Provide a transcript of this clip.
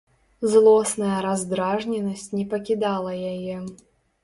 Злосная раздражненасць не пакідала яе.